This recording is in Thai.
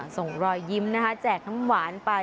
ส่งรอยยิ้มนะคะแจกน้ำหวานไป